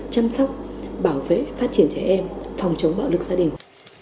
chăm sóc bảo vệ phát triển trẻ em phòng chống bạo lực gia đình